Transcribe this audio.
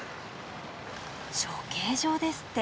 処刑場ですって。